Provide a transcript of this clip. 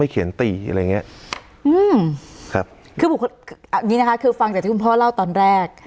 เขียนตีอะไรอย่างเงี้ยอืมครับคือบุคเอาอย่างงี้นะคะคือฟังจากที่คุณพ่อเล่าตอนแรก